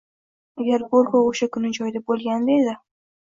Agar go'rkov o'sha kuni joyida bo'lganida edi.